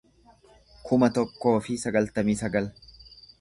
kuma tokkoo fi sagaltamii sagal